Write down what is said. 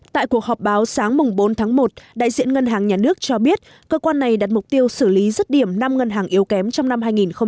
tại cuộc họp báo sáng bốn tháng một đại diện ngân hàng nhà nước cho biết cơ quan này đặt mục tiêu xử lý rứt điểm năm ngân hàng yếu kém trong năm hai nghìn hai mươi